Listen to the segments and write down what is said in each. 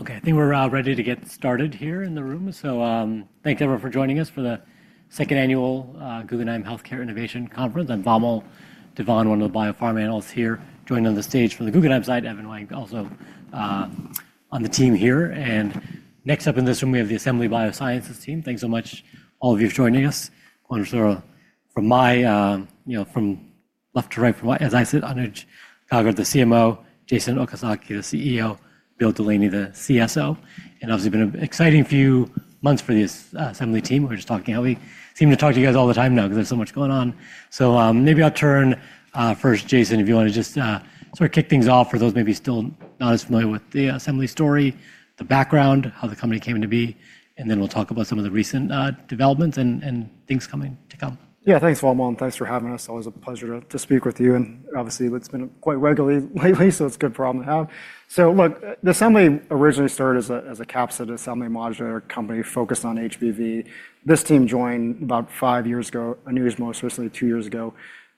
Okay, I think we're ready to get started here in the room. Thank you everyone for joining us for the second annual Guggenheim Healthcare Innovation Conference. I'm Vamil Divan, one of the bio-pharma analysts here, joining on the stage for the Guggenheim site. Evan Wang, also on the team here. Next up in this room, we have the Assembly Biosciences team. Thanks so much, all of you, for joining us. From my, you know, from left to right, from as I sit on it, Anuj Gaggar the CMO, Jason Okazaki, the CEO, Bill Delaney, the CSO. Obviously, it's been an exciting few months for the Assembly team. We're just talking heavily. Seem to talk to you guys all the time now because there's so much going on. Maybe I'll turn first, Jason, if you want to just sort of kick things off for those maybe still not as familiar with the Assembly story, the background, how the company came to be, and then we'll talk about some of the recent developments and things coming to come. Yeah, thanks, Vamil. And thanks for having us. Always a pleasure to speak with you. Obviously, it's been quite regular lately, so it's a good problem to have. Look, Assembly originally started as a capsid assembly modulator company focused on HBV. This team joined about five years ago, and it was most recently two years ago.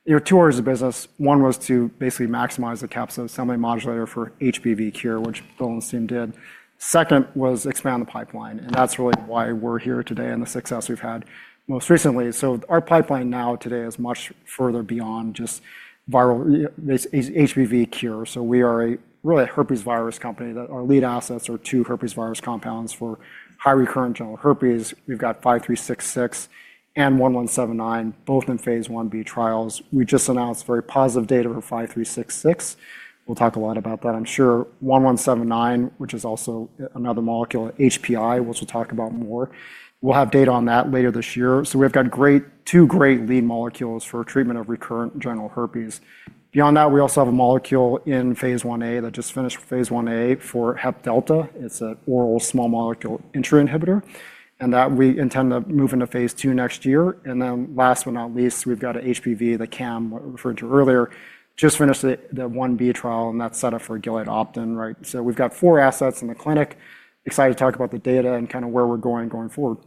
Your two areas of business: one was to basically maximize the capsid assembly modulator for HBV cure, which Bill and Steven did. Second was expand the pipeline. That's really why we're here today and the success we've had most recently. Our pipeline now today is much further beyond just viral HBV cure. We are really a herpes virus company that our lead assets are two herpes virus compounds for high recurrent genital herpes. We've got 5366 and 1179, both in phase 1b trials. We just announced very positive data for 5366. We'll talk a lot about that, I'm sure. 1179, which is also another molecule, HPI, which we'll talk about more. We'll have data on that later this year. We've got two great lead molecules for treatment of recurrent genital herpes. Beyond that, we also have a molecule in phase 1a that just finished phase 1a for Hep Delta. It's an oral small molecule entry inhibitor. We intend to move that into phase 2 next year. Last but not least, we've got an HBV, the CAM, what we referred to earlier, just finished the 1b trial, and that's set up for Gilead opt-in, right? We've got four assets in the clinic. Excited to talk about the data and kind of where we're going forward.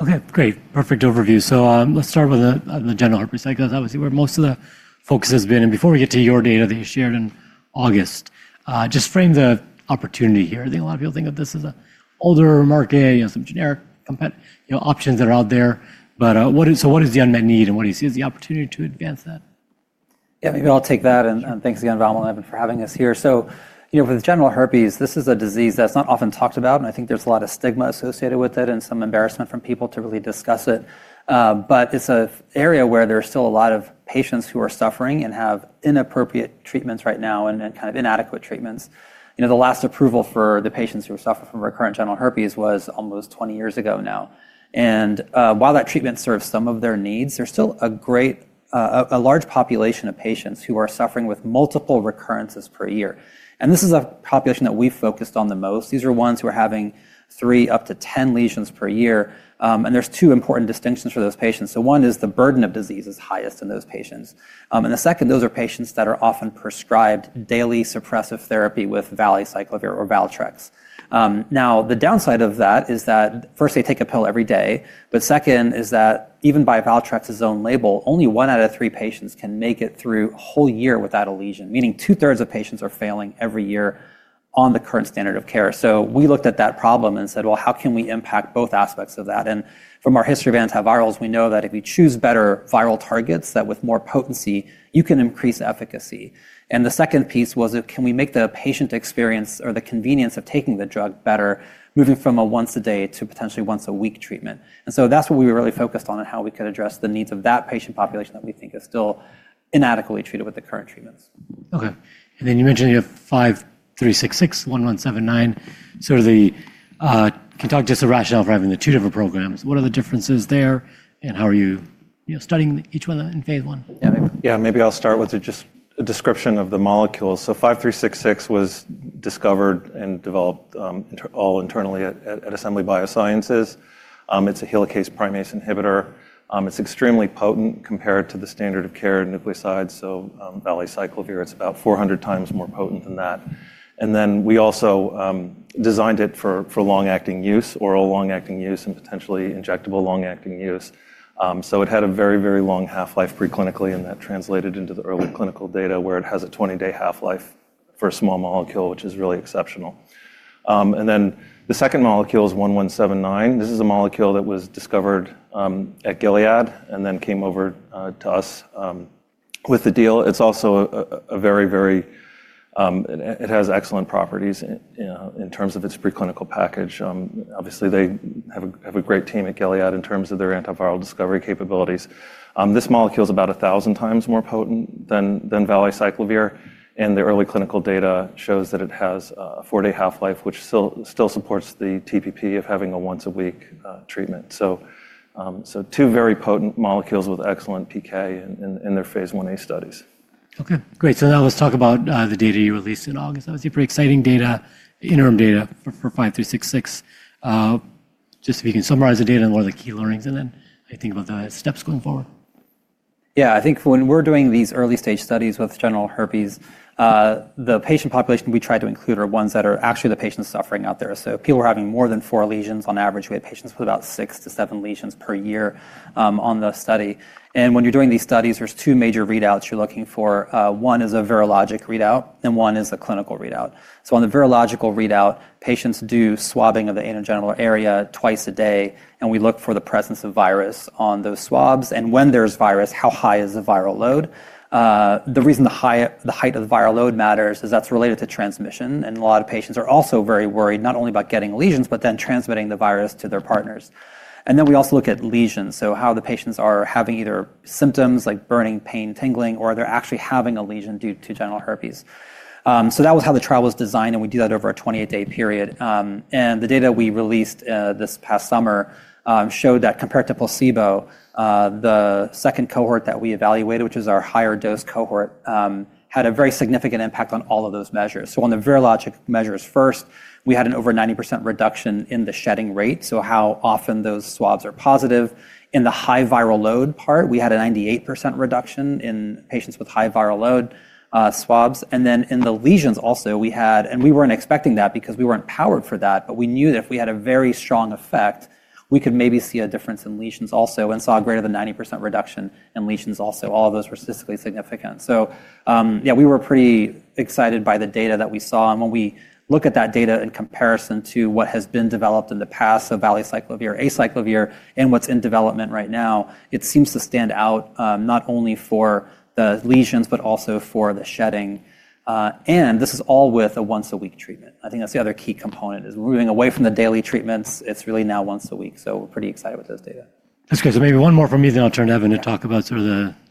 Okay, great. Perfect overview. Let's start with the general herpes sector. That was where most of the focus has been. Before we get to your data that you shared in August, just frame the opportunity here. I think a lot of people think of this as an older market, you know, some generic options that are out there. What is the unmet need, and what do you see as the opportunity to advance that? Yeah, maybe I'll take that. Thanks again, Valmeek, Evan, for having us here. You know, with genital herpes, this is a disease that's not often talked about. I think there's a lot of stigma associated with it and some embarrassment from people to really discuss it. It's an area where there are still a lot of patients who are suffering and have inappropriate treatments right now and kind of inadequate treatments. You know, the last approval for the patients who suffer from recurrent genital herpes was almost 20 years ago now. While that treatment serves some of their needs, there's still a large population of patients who are suffering with multiple recurrences per year. This is a population that we've focused on the most. These are ones who are having three up to 10 lesions per year. There are two important distinctions for those patients. One is the burden of disease is highest in those patients. The second, those are patients that are often prescribed daily suppressive therapy with valacyclovir or Valtrex. The downside of that is that first, they take a pill every day. Second is that even by Valtrex's own label, only one out of three patients can make it through a whole year without a lesion, meaning two-thirds of patients are failing every year on the current standard of care. We looked at that problem and said, how can we impact both aspects of that? From our history of antivirals, we know that if we choose better viral targets, that with more potency, you can increase efficacy. The second piece was, can we make the patient experience or the convenience of taking the drug better, moving from a once-a-day to potentially once-a-week treatment? That is what we were really focused on and how we could address the needs of that patient population that we think is still inadequately treated with the current treatments. Okay. You mentioned you have 5366, 1179. Can you talk just the rationale for having the two different programs? What are the differences there? How are you studying each one in phase one? Yeah, maybe I'll start with just a description of the molecules. So 5366 was discovered and developed all internally at Assembly Biosciences. It's a helicase-primase inhibitor. It's extremely potent compared to the standard of care nucleosides. So valacyclovir is about 400 times more potent than that. We also designed it for long-acting use, oral long-acting use, and potentially injectable long-acting use. It had a very, very long half-life preclinically, and that translated into the early clinical data where it has a 20-day half-life for a small molecule, which is really exceptional. The second molecule is 1179. This is a molecule that was discovered at Gilead and then came over to us with the deal. It's also a very, very, it has excellent properties in terms of its preclinical package. Obviously, they have a great team at Gilead in terms of their antiviral discovery capabilities. This molecule is about 1,000 times more potent than valacyclovir. The early clinical data shows that it has a four-day half-life, which still supports the TPP of having a once-a-week treatment. Two very potent molecules with excellent PK in their phase 1a studies. Okay, great. Now let's talk about the data you released in August. That was super exciting data, interim data for 5366. Just if you can summarize the data and what are the key learnings, and then I think about the steps going forward. Yeah, I think when we're doing these early-stage studies with genital herpes, the patient population we try to include are ones that are actually the patients suffering out there. People are having more than four lesions. On average, we had patients with about six to seven lesions per year on the study. When you're doing these studies, there are two major readouts you're looking for. One is a virologic readout, and one is a clinical readout. On the virologic readout, patients do swabbing of the anogenital area twice a day, and we look for the presence of virus on those swabs. When there's virus, how high is the viral load? The reason the height of the viral load matters is that's related to transmission. A lot of patients are also very worried not only about getting lesions, but then transmitting the virus to their partners. We also look at lesions, so how the patients are having either symptoms like burning, pain, tingling, or they're actually having a lesion due to genital herpes. That was how the trial was designed, and we did that over a 28-day period. The data we released this past summer showed that compared to placebo, the second cohort that we evaluated, which is our higher-dose cohort, had a very significant impact on all of those measures. On the virologic measures first, we had an over 90% reduction in the shedding rate, so how often those swabs are positive. In the high viral load part, we had a 98% reduction in patients with high viral load swabs. In the lesions also, we had, and we were not expecting that because we were not powered for that, but we knew that if we had a very strong effect, we could maybe see a difference in lesions also and saw a greater than 90% reduction in lesions also. All of those were statistically significant. Yeah, we were pretty excited by the data that we saw. When we look at that data in comparison to what has been developed in the past, so valacyclovir, acyclovir, and what is in development right now, it seems to stand out not only for the lesions, but also for the shedding. This is all with a once-a-week treatment. I think that is the other key component, moving away from the daily treatments. It is really now once a week. We are pretty excited with those data. That's good. Maybe one more from me, then I'll turn to Evan to talk about sort of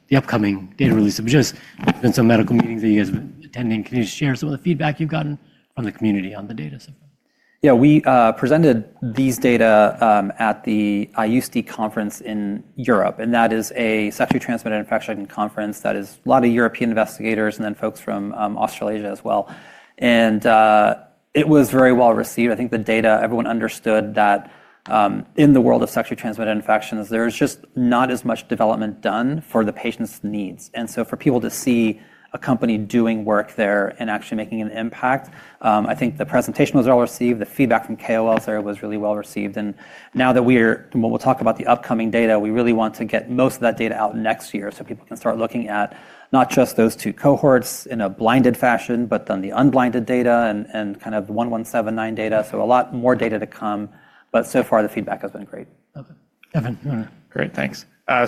the upcoming data release. Just, there's been some medical meetings that you guys have been attending. Can you share some of the feedback you've gotten from the community on the data so far? Yeah, we presented these data at the IUCD conference in Europe. That is a sexually transmitted infection conference that is a lot of European investigators and then folks from Australasia as well. It was very well received. I think the data, everyone understood that in the world of sexually transmitted infections, there's just not as much development done for the patient's needs. For people to see a company doing work there and actually making an impact, I think the presentation was well received. The feedback from KOLs there was really well received. Now that we're what we'll talk about the upcoming data, we really want to get most of that data out next year so people can start looking at not just those two cohorts in a blinded fashion, but then the unblinded data and kind of the 1179 data. A lot more data to come. But so far, the feedback has been great. Okay. Evan. Great, thanks. I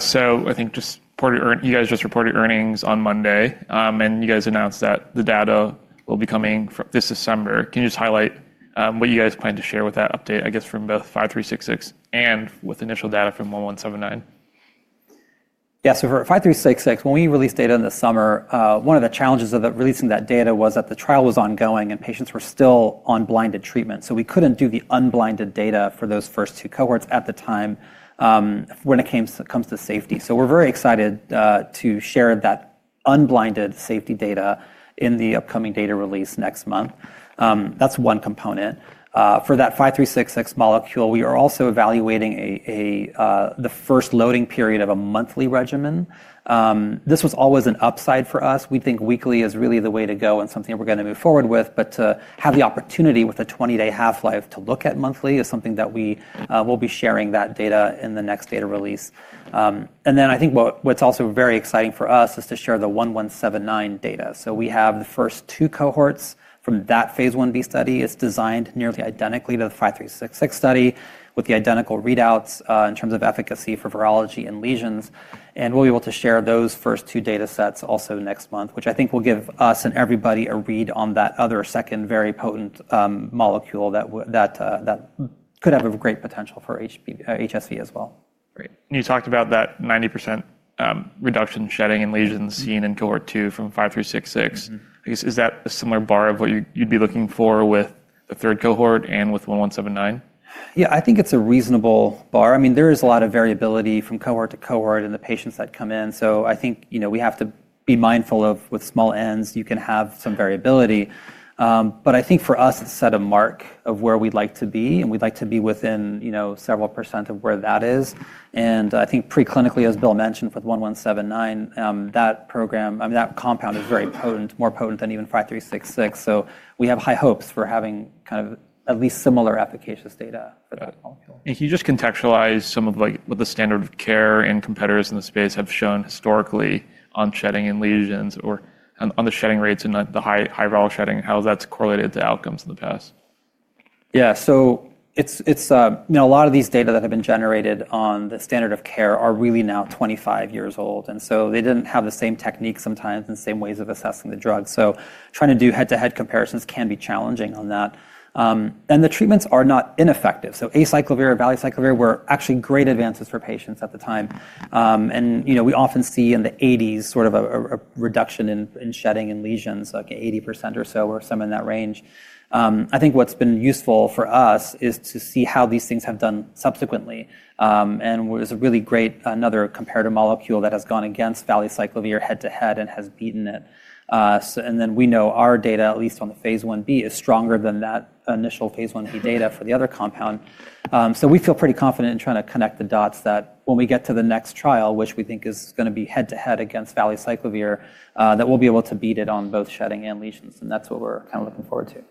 think just you guys just reported earnings on Monday, and you guys announced that the data will be coming this December. Can you just highlight what you guys plan to share with that update, I guess, from both 5366 and with initial data from 1179? Yeah, so for 5366, when we released data in the summer, one of the challenges of releasing that data was that the trial was ongoing and patients were still on blinded treatment. We could not do the unblinded data for those first two cohorts at the time when it comes to safety. We are very excited to share that unblinded safety data in the upcoming data release next month. That is one component. For that 5366 molecule, we are also evaluating the first loading period of a monthly regimen. This was always an upside for us. We think weekly is really the way to go and something we are going to move forward with. To have the opportunity with a 20-day half-life to look at monthly is something that we will be sharing that data in the next data release. I think what's also very exciting for us is to share the 1179 data. We have the first two cohorts from that phase 1b study. It's designed nearly identically to the 5366 study with the identical readouts in terms of efficacy for virology and lesions. We'll be able to share those first two data sets also next month, which I think will give us and everybody a read on that other second very potent molecule that could have a great potential for HSV as well. Great. You talked about that 90% reduction shedding and lesions seen in cohort two from 5366. Is that a similar bar of what you'd be looking for with the third cohort and with 1179? Yeah, I think it's a reasonable bar. I mean, there is a lot of variability from cohort to cohort in the patients that come in. I think we have to be mindful of with small ends, you can have some variability. I think for us, it's set a mark of where we'd like to be, and we'd like to be within several % of where that is. I think preclinically, as Bill mentioned with 1179, that program, I mean, that compound is very potent, more potent than even 5366. We have high hopes for having kind of at least similar efficacious data for that molecule. Can you just contextualize some of what the standard of care and competitors in the space have shown historically on shedding and lesions or on the shedding rates and the high viral shedding? How has that correlated to outcomes in the past? Yeah, so a lot of these data that have been generated on the standard of care are really now 25 years old. They didn't have the same techniques sometimes and the same ways of assessing the drug. Trying to do head-to-head comparisons can be challenging on that. The treatments are not ineffective. Acyclovir and valacyclovir were actually great advances for patients at the time. We often see in the 1980s sort of a reduction in shedding and lesions, like 80% or so or some in that range. I think what's been useful for us is to see how these things have done subsequently. There's a really great another comparative molecule that has gone against valacyclovir head-to-head and has beaten it. We know our data, at least on the phase 1b, is stronger than that initial phase 1b data for the other compound. We feel pretty confident in trying to connect the dots that when we get to the next trial, which we think is going to be head-to-head against valacyclovir, that we'll be able to beat it on both shedding and lesions. That's what we're kind of looking forward to.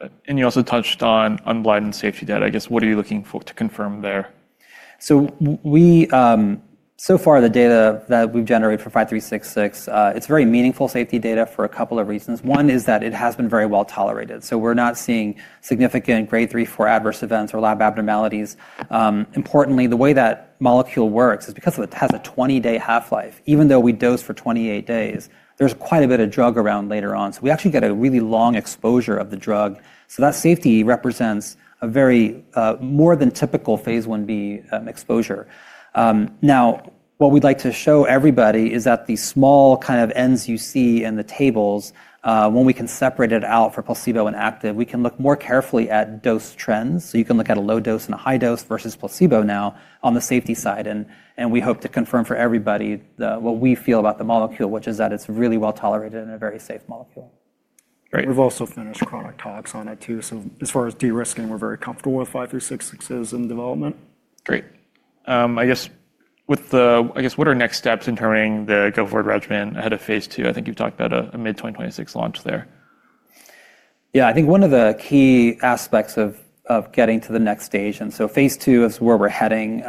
Got it. You also touched on unblinded safety data. I guess, what are you looking for to confirm there? So far, the data that we've generated for 5366, it's very meaningful safety data for a couple of reasons. One is that it has been very well tolerated. We're not seeing significant grade 3, 4 adverse events or lab abnormalities. Importantly, the way that molecule works is because it has a 20-day half-life. Even though we dose for 28 days, there's quite a bit of drug around later on. We actually get a really long exposure of the drug. That safety represents a very more than typical phase 1b exposure. What we'd like to show everybody is that the small kind of ends you see in the tables, when we can separate it out for placebo and active, we can look more carefully at dose trends. You can look at a low dose and a high dose versus placebo now on the safety side. We hope to confirm for everybody what we feel about the molecule, which is that it's really well tolerated and a very safe molecule. Great. We've also finished chronic tox on it too. As far as de-risking, we're very comfortable with 5366's in development. Great. I guess, what are next steps in determining the Gulf War regimen ahead of phase two? I think you've talked about a mid-2026 launch there. Yeah, I think one of the key aspects of getting to the next stage, and so phase two is where we're heading.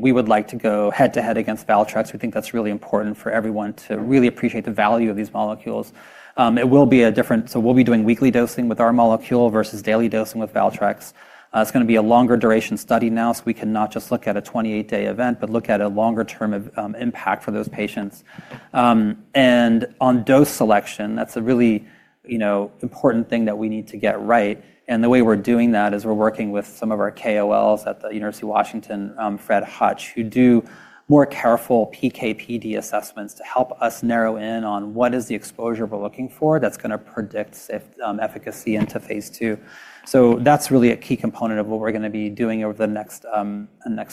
We would like to go head-to-head against Valtrex. We think that's really important for everyone to really appreciate the value of these molecules. It will be different so we'll be doing weekly dosing with our molecule versus daily dosing with Valtrex. It's going to be a longer duration study now, so we can not just look at a 28-day event, but look at a longer-term impact for those patients. On dose selection, that's a really important thing that we need to get right. The way we're doing that is we're working with some of our KOLs at the University of Washington, Fred Hutch, who do more careful PK/PD assessments to help us narrow in on what is the exposure we're looking for that's going to predict safe efficacy into phase two. That is really a key component of what we're going to be doing over the next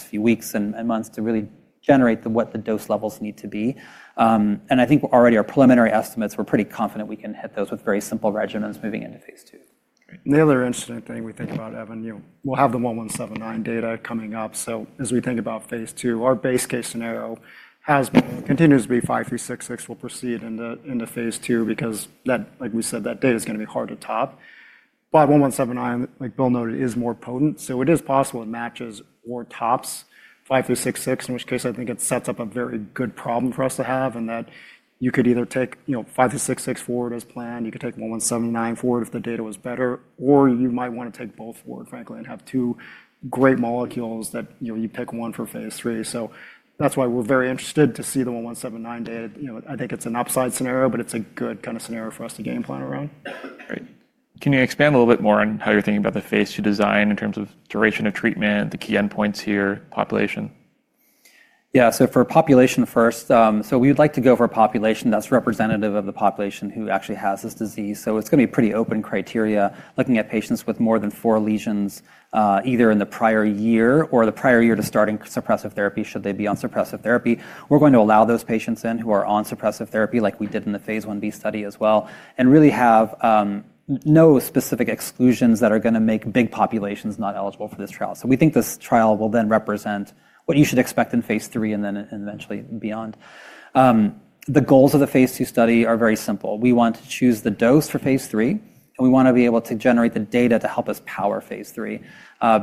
few weeks and months to really generate what the dose levels need to be. I think already our preliminary estimates, we're pretty confident we can hit those with very simple regimens moving into phase two. The other interesting thing we think about, Evan, we'll have the 1179 data coming up. As we think about phase two, our base case scenario has been, continues to be, 5366. We'll proceed into phase two because, like we said, that data is going to be hard to top. 1179, like Bill noted, is more potent. It is possible it matches or tops 5366, in which case I think it sets up a very good problem for us to have in that you could either take 5366 forward as planned, you could take 1179 forward if the data was better, or you might want to take both forward, frankly, and have two great molecules that you pick one for phase three. That is why we're very interested to see the 1179 data. I think it's an upside scenario, but it's a good kind of scenario for us to game plan around. Great. Can you expand a little bit more on how you're thinking about the phase two design in terms of duration of treatment, the key endpoints here, population? Yeah, so for population first, we would like to go for a population that's representative of the population who actually has this disease. It's going to be pretty open criteria, looking at patients with more than four lesions either in the prior year or the prior year to starting suppressive therapy should they be on suppressive therapy. We're going to allow those patients in who are on suppressive therapy like we did in the phase 1b study as well, and really have no specific exclusions that are going to make big populations not eligible for this trial. We think this trial will then represent what you should expect in phase three and then eventually beyond. The goals of the phase two study are very simple. We want to choose the dose for phase three, and we want to be able to generate the data to help us power phase three.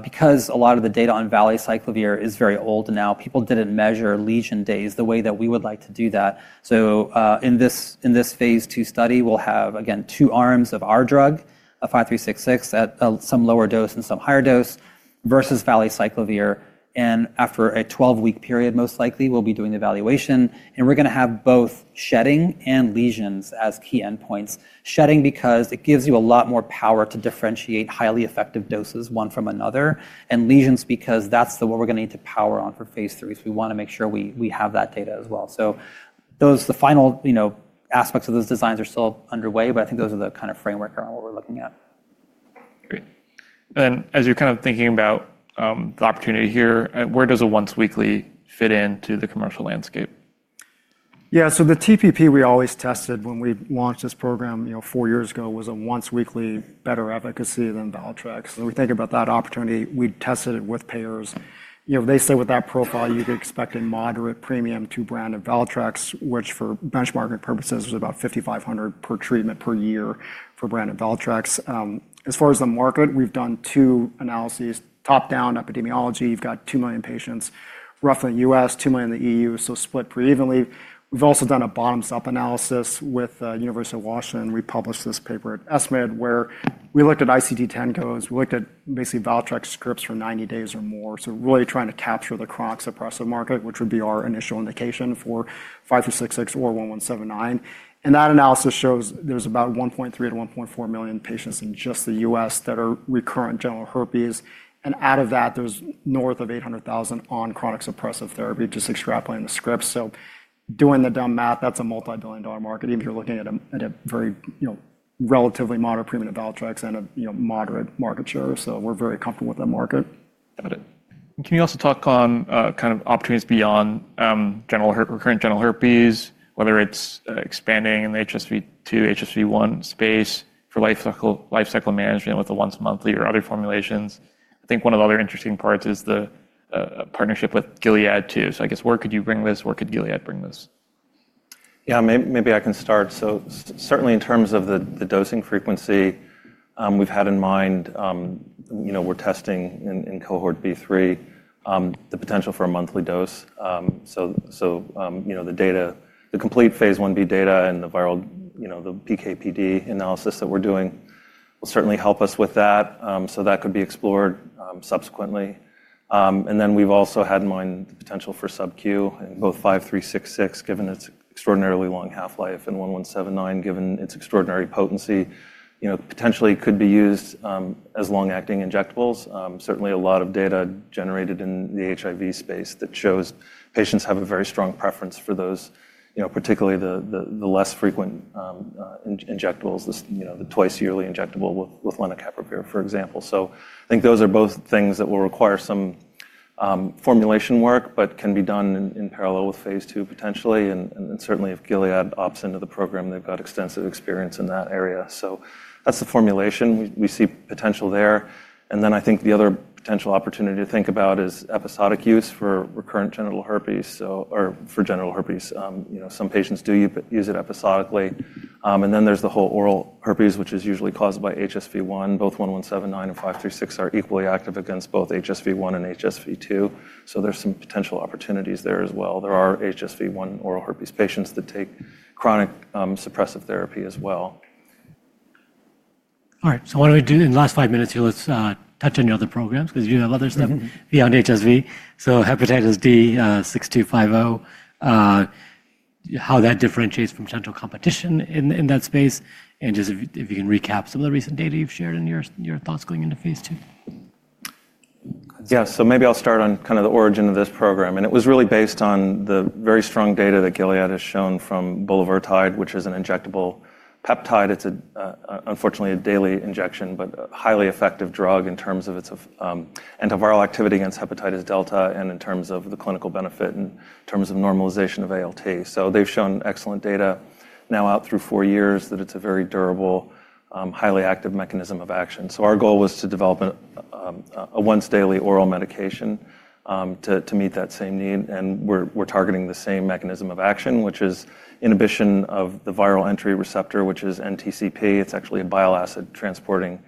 Because a lot of the data on valacyclovir is very old now, people did not measure lesion days the way that we would like to do that. In this phase two study, we will have, again, two arms of our drug, 5366, at some lower dose and some higher dose versus valacyclovir. After a 12-week period, most likely, we will be doing the evaluation. We are going to have both shedding and lesions as key endpoints. Shedding because it gives you a lot more power to differentiate highly effective doses one from another, and lesions because that is what we are going to need to power on for phase three. We want to make sure we have that data as well. The final aspects of those designs are still underway, but I think those are the kind of framework around what we're looking at. Great. As you're kind of thinking about the opportunity here, where does a once-weekly fit into the commercial landscape? Yeah, so the TPP we always tested when we launched this program four years ago was a once-weekly better efficacy than Valtrex. We think about that opportunity. We tested it with payers. They say with that profile, you could expect a moderate premium to brand of Valtrex, which for benchmarking purposes was about $5,500 per treatment per year for brand of Valtrex. As far as the market, we've done two analyses. Top-down epidemiology, you've got 2 million patients, roughly U.S., 2 million in the EU, so split pretty evenly. We've also done a bottoms-up analysis with the University of Washington. We published this paper at Estimated where we looked at ICD-10 codes. We looked at basically Valtrex scripts for 90 days or more. Really trying to capture the chronic suppressive market, which would be our initial indication for 5366 or 1179. That analysis shows there's about 1.3-1.4 million patients in just the U.S. that are recurrent genital herpes. Out of that, there's north of 800,000 on chronic suppressive therapy just extrapolating the scripts. Doing the dumb math, that's a multi-billion dollar market, even if you're looking at a relatively moderate premium to Valtrex and a moderate market share. We're very comfortable with that market. Got it. Can you also talk on kind of opportunities beyond recurrent genital herpes, whether it's expanding in the HSV-2, HSV-1 space for life cycle management with the once-monthly or other formulations? I think one of the other interesting parts is the partnership with Gilead too. I guess, where could you bring this? Where could Gilead bring this? Yeah, maybe I can start. Certainly in terms of the dosing frequency we've had in mind, we're testing in cohort B3 the potential for a monthly dose. The complete phase 1b data and the PK/PD analysis that we're doing will certainly help us with that. That could be explored subsequently. We've also had in mind the potential for subQ in both 5366, given its extraordinarily long half-life, and 1179, given its extraordinary potency, potentially could be used as long-acting injectables. Certainly, a lot of data generated in the HIV space shows patients have a very strong preference for those, particularly the less frequent injectables, the twice-yearly injectable with lenacapavir, for example. I think those are both things that will require some formulation work, but can be done in parallel with phase two potentially. Certainly, if Gilead opts into the program, they've got extensive experience in that area. That is the formulation. We see potential there. I think the other potential opportunity to think about is episodic use for recurrent genital herpes. Some patients do use it episodically. There is the whole oral herpes, which is usually caused by HSV-1. Both 1179 and 5366 are equally active against both HSV-1 and HSV-2. There are some potential opportunities there as well. There are HSV-1 oral herpes patients that take chronic suppressive therapy as well. All right. Why don't we do, in the last five minutes here, let's touch on your other programs because you have other stuff beyond HSV. Hepatitis D, 6250, how that differentiates from potential competition in that space. And just if you can recap some of the recent data you've shared and your thoughts going into phase two. Yeah, so maybe I'll start on kind of the origin of this program. It was really based on the very strong data that Gilead has shown from Bulevirtide, which is an injectable peptide. It's unfortunately a daily injection, but a highly effective drug in terms of its antiviral activity against hepatitis delta and in terms of the clinical benefit and in terms of normalization of ALT. They've shown excellent data now out through four years that it's a very durable, highly active mechanism of action. Our goal was to develop a once-daily oral medication to meet that same need. We're targeting the same mechanism of action, which is inhibition of the viral entry receptor, which is NTCP. It's actually a bile acid transporter.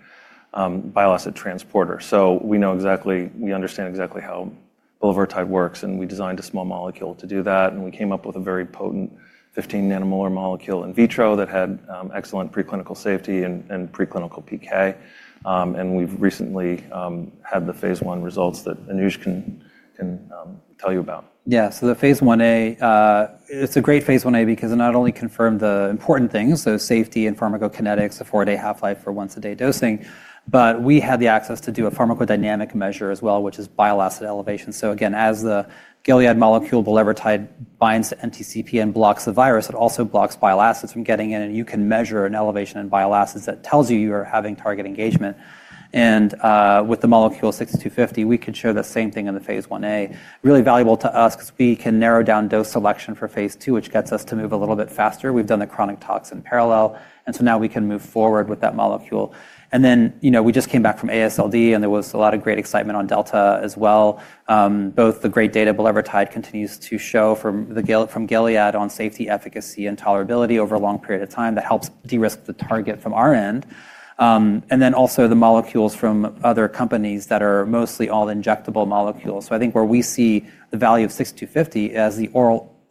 We know exactly, we understand exactly how Bulevirtide works, and we designed a small molecule to do that. We came up with a very potent 15 nanomolar molecule in vitro that had excellent preclinical safety and preclinical PK. We have recently had the phase one results that Anuj can tell you about. Yeah, so the phase 1a, it's a great phase 1a because it not only confirmed the important things, so safety and pharmacokinetics, a four-day half-life for once-a-day dosing, but we had the access to do a pharmacodynamic measure as well, which is bile acid elevation. Again, as the Gilead molecule, Bulevirtide, binds to NTCP and blocks the virus, it also blocks bile acids from getting in. You can measure an elevation in bile acids that tells you you're having target engagement. With the molecule 6250, we could show the same thing in the phase 1a. Really valuable to us because we can narrow down dose selection for phase two, which gets us to move a little bit faster. We've done the chronic tox in parallel. Now we can move forward with that molecule. We just came back from AASLD, and there was a lot of great excitement on delta as well. Both the great data bulevirtide continues to show from Gilead on safety, efficacy, and tolerability over a long period of time that helps de-risk the target from our end. Also, the molecules from other companies are mostly all injectable molecules. I think where we see the value of 6250 as the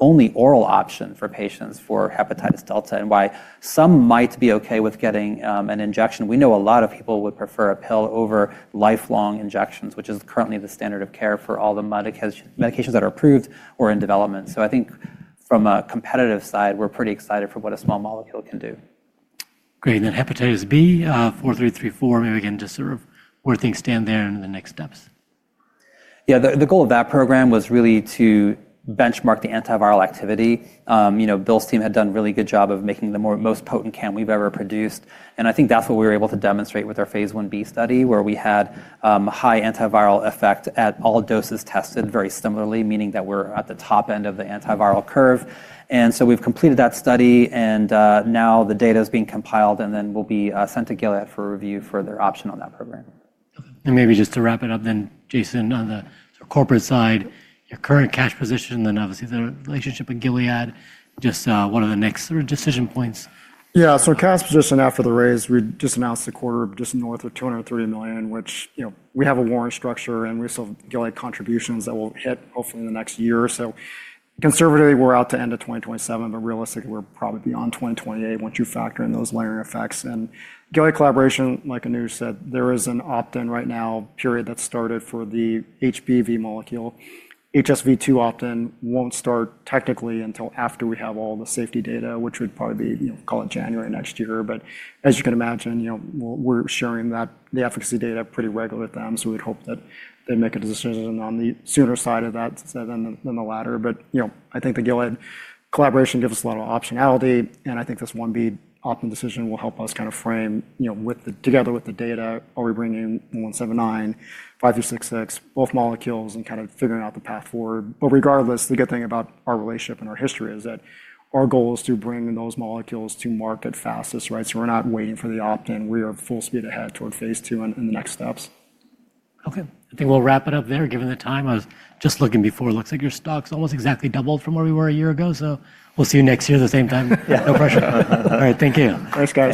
only oral option for patients for hepatitis delta and why some might be okay with getting an injection, we know a lot of people would prefer a pill over lifelong injections, which is currently the standard of care for all the medications that are approved or in development. I think from a competitive side, we're pretty excited for what a small molecule can do. Great. Hepatitis B, 4334, maybe we can just sort of where things stand there and the next steps. Yeah, the goal of that program was really to benchmark the antiviral activity. Bill's team had done a really good job of making the most potent CAM we've ever produced. I think that's what we were able to demonstrate with our phase 1b study, where we had high antiviral effect at all doses tested very similarly, meaning that we're at the top end of the antiviral curve. We have completed that study, and now the data is being compiled, and then will be sent to Gilead for review for their option on that program. Maybe just to wrap it up then, Jason, on the corporate side, your current cash position, then obviously the relationship with Gilead, just what are the next sort of decision points? Yeah, so cash position after the raise, we just announced a quarter just north of $230 million, which we have a warrant structure, and we still have Gilead contributions that will hit hopefully in the next year. Conservatively, we're out to end of 2027, but realistically, we're probably beyond 2028 once you factor in those layering effects. The Gilead collaboration, like Anuj said, there is an opt-in right now period that started for the HBV molecule. HSV-2 opt-in won't start technically until after we have all the safety data, which would probably be, call it, January next year. As you can imagine, we're sharing the efficacy data pretty regular with them. We'd hope that they make a decision on the sooner side of that than the latter. I think the Gilead collaboration gives us a lot of optionality. I think this 1B opt-in decision will help us kind of frame together with the data, are we bringing 1179, 5366, both molecules and kind of figuring out the path forward. Regardless, the good thing about our relationship and our history is that our goal is to bring those molecules to market fastest, right? We are not waiting for the opt-in. We are full speed ahead toward phase two and the next steps. Okay. I think we'll wrap it up there given the time. I was just looking before. It looks like your stock's almost exactly doubled from where we were a year ago. So we'll see you next year at the same time. No pressure. All right, thank you. Thanks, guys.